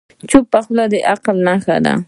چپه خوله، د عقل نښه ده.